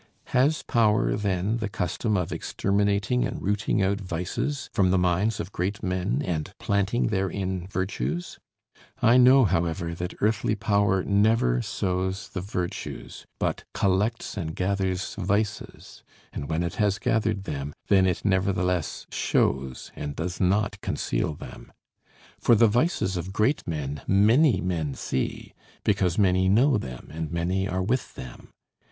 Has power, then, the custom of exterminating and rooting out vices from the minds of great men and planting therein virtues? I know, however, that earthly power never sows the virtues, but collects and gathers vices; and when it has gathered them, then it nevertheless shows and does not conceal them. For the vices of great men many men see; because many know them and many are with them.